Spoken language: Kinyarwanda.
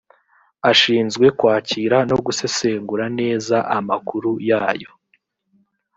ashinzwe kwakira no gusesengura neza amakuru yayo